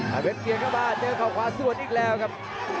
เพชรเกียงเข้ามาเจอเขาขวาสวนอีกแล้วครับ